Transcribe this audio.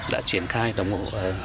đã triển khai đồng hồ